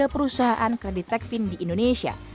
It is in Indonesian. enam puluh tiga perusahaan kredit tekvin di indonesia